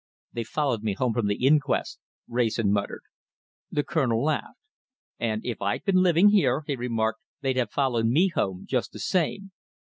"They followed me home from the inquest," Wrayson muttered. The Colonel laughed. "And if I'd been living here," he remarked, "they'd have followed me home just the same.